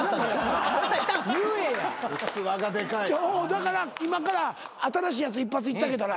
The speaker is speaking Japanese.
だから今から新しいやつ一発言ってあげたら？